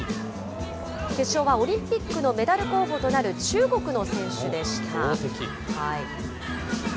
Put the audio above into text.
決勝はオリンピックのメダル候補となる中国の選手でした。